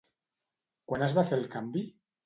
Quan es va fer el canvi?